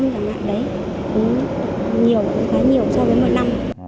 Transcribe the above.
quá nhiều so với một năm